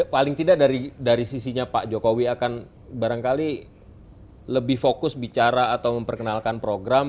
paling tidak dari sisinya pak jokowi akan barangkali lebih fokus bicara atau memperkenalkan program